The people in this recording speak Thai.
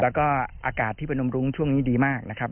แล้วก็อากาศที่เป็นนมรุ้งช่วงนี้ดีมากนะครับ